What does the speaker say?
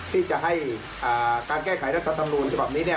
ที่จะให้การแก้ไขรัฐธรรมนูญฉบับนี้